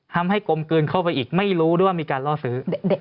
กลมกลืนเข้าไปอีกไม่รู้ด้วยว่ามีการล่อซื้อ